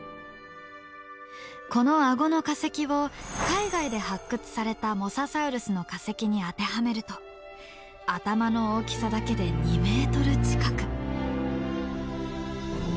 このあごの化石を海外で発掘されたモササウルスの化石に当てはめると頭の大きさだけで２ｍ近く。